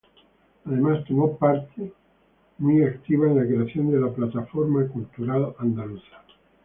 Además, tomó parte muy activa en la creación de la Plataforma Cultural Andaluza.